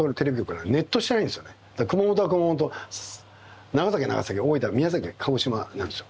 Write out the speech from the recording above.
だから熊本は熊本長崎は長崎大分宮崎鹿児島なんですよ。